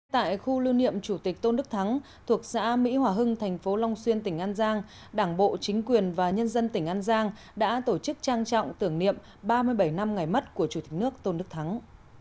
tại khu lưu niệm chủ tịch tôn đức thắng thuộc xã mỹ hòa hưng thành phố long xuyên tỉnh an giang đảng bộ chính quyền và nhân dân tỉnh an giang đã tổ chức trang trọng tưởng niệm ba mươi bảy năm ngày mất của chủ tịch nước tôn đức thắng